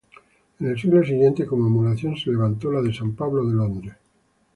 En el siglo siguiente, como emulación, se levantó la de San Pablo de Londres.